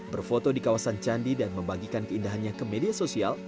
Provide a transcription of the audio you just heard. berfoto di kawasan candi dan membagikan keindahannya ke media sosial